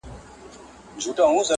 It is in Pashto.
ماشوم په داغه تنګ حالت کې هیلي زیږوي